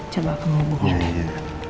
coba aku hubungi dia